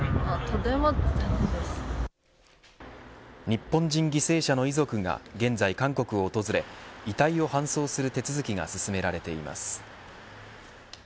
日本人犠牲者の遺族が現在、韓国を訪れ遺体を搬送する手続きが進められています。